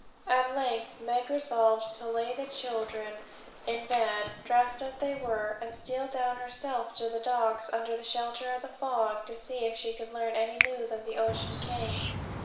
At length Meg resolved to lay the children in bed, dressed as they were, and steal down herself to the docks, under the shelter of the fog, to see if she could learn any news of the Ocean King.